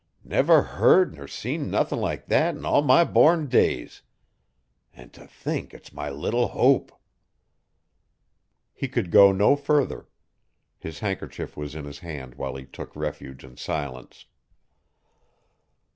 Never heard ner seen nothin' like thet in all my born days. An' t' think it's my little Hope.' He could go no further. His handkerchief was in his hand while he took refuge in silence.